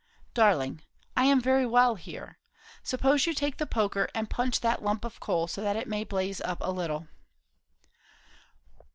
"Darling, I am very well here. Suppose you take the poker and punch that lump of coal, so that it may blaze up a little."